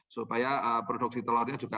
supaya produksi telurnya juga